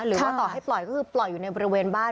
หรือว่าต่อให้ปล่อยก็คือปล่อยอยู่ในบริเวณบ้าน